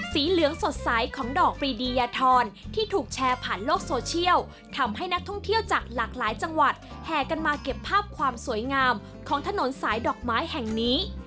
สีเหลืองสดใสของดอกปรีดียทรที่ถูกแชร์ผ่านโลกโซเชียลทำให้นักท่องเที่ยวจากหลากหลายจังหวัดแห่กันมาเก็บภาพความสวยงามของถนนสายดอกไม้แห่งนี้